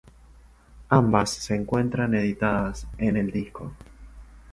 Ambas se encuentran editadas en disco.